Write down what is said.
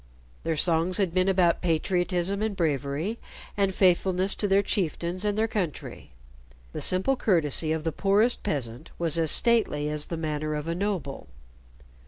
Their songs had been about patriotism and bravery, and faithfulness to their chieftains and their country. The simple courtesy of the poorest peasant was as stately as the manner of a noble.